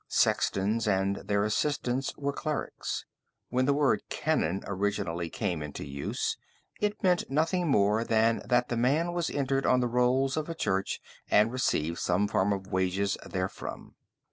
Sextons and their assistants were clerics. When the word canon originally came into use it meant nothing more than that the man was entered on the rolls of a church and received some form of wages therefrom.